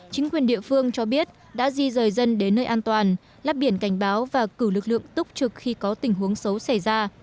chính quyền địa phương cho biết đã di rời dân đến nơi an toàn lắp biển cảnh báo và cử lực lượng túc trực khi có tình huống xấu xảy ra